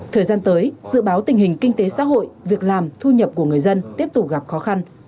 thời gian tới dự báo tình hình kinh tế xã hội việc làm thu nhập của người dân tiếp tục gặp khó khăn